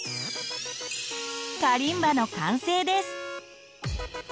カリンバの完成です。